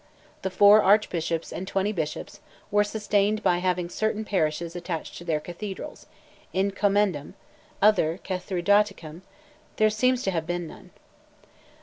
The four archbishops and twenty bishops, were sustained by having certain parishes attached to their cathedrals, in commendam: other Cathedraticum there seems to have been none.